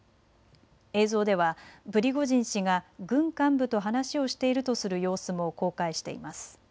映像ではプリゴジン氏が軍幹部と話をしているとする様子も公開しています。